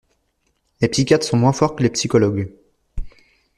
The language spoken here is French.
Les psychiatres sont moins forts que les psychologues.